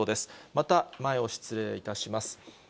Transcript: また、前を失礼いたします。